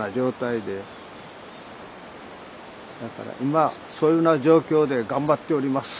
だから今そういうふうな状況で頑張っております。